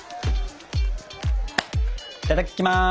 いただきます！